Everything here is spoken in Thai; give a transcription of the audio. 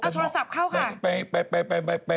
เอาโทรศัพท์เข้าค่ะ